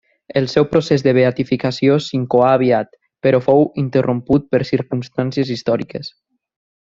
El seu procés de beatificació s'incoà aviat, però fou interromput per circumstàncies històriques.